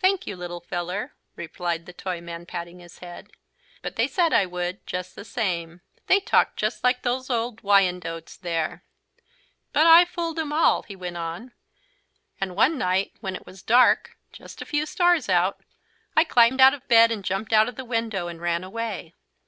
"Thank you, little feller," replied the Toyman, patting his head. "But they said I would, just the same. They talked just like those old Wyandottes there. "But I fooled them all," he went on. "And one night, when it was dark, just a few stars out, I climbed out of bed and jumped out of the window and ran away.